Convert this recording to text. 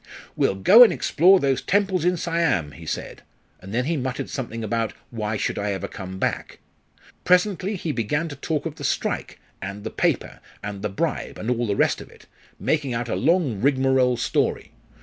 'We'll go and explore those temples in Siam,' he said, and then he muttered something about 'Why should I ever come back?' Presently he began to talk of the strike and the paper and the bribe, and all the rest of it, making out a long rigmarole story.